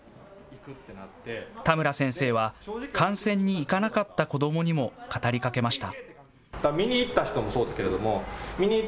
田村先生は観戦に行かなかった子どもにも語りかけました。